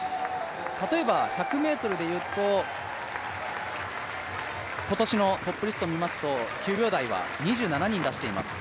例えば１００ｍでいうと、今年のトップリスト見ますと９秒台は２７人出しています。